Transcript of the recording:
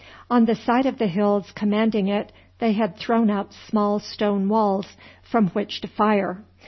On the side of the hills commanding it they had thrown up small stone walls from which to fire.